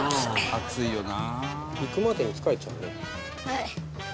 「暑いよな」